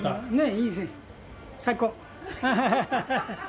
いいですね、最高。